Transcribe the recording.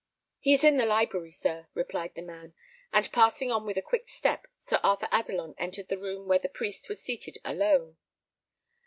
"He is in the library, sir," replied the man; and passing on with a quick step, Sir Arthur Adelon entered the room where the priest was seated alone.